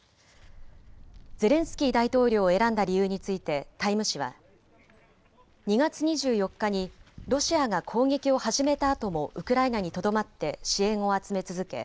ゼレンスキー大統領を選んだ理由についてタイム誌は２月２４日にロシアが攻撃を始めたあともウクライナにとどまって支援を集め続け